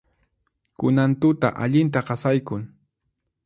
Kunan tuta allinta qasaykun.